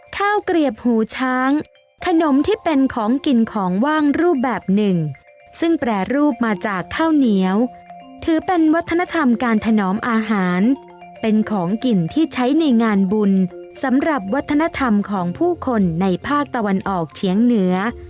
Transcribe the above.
ข้าวเกลียบหูช้างขนมที่เป็นของกินของว่างรูปแบบหนึ่งซึ่งแปรรูปมาจากข้าวเหนียวถือเป็นวัฒนธรรมการถนอมอาหารเป็นของกินที่ใช้ในงานบุญสำหรับวัฒนธรรมของผู้คนในภาคตะวันออกเฉียงเหนือ